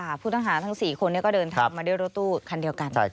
ผู้ต้องหาทั้ง๔คนก็เดินทางมาด้วยรถตู้คันเดียวกัน